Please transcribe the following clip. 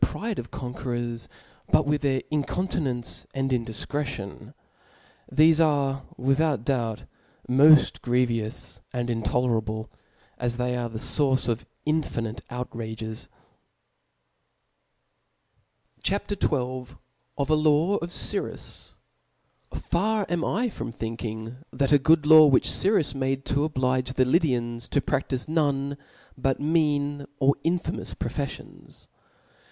pride of conquerors, but with their incontinence and indifcretion \ thefe are, without doubt, moft grievous and intolerable, as they are the fource of infinite outrages. CHAP. XIL Of a Law (f Cyrw^ ]C^ A R am from thmking that a good law * which Cyrqs made to oblige the Lydians to pracbife none but mean or infamous profeflions.